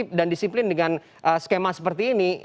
tapi kalau kita mengaktifkan dan disiplin dengan skema seperti ini